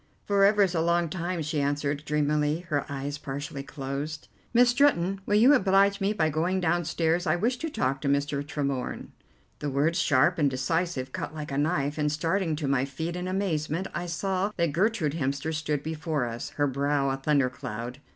"For ever is a long time," she answered dreamily, her eyes partially closed. "Miss Stretton, will you oblige me by going downstairs; I wish to talk to Mr. Tremorne." The words, sharp and decisive, cut like a knife, and, starting to my feet in amazement, I saw that Gertrude Hemster stood before us, her brow a thundercloud.